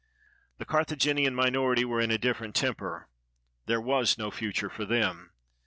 The Carthaginian minority were in a different temper. There was no future for them.